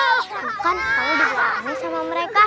bukan kamu diberani sama mereka